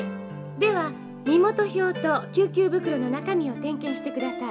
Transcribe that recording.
では身元票と救急袋の中身を点検してください。